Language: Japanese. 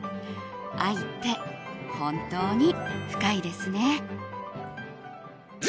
愛って本当に深いですね。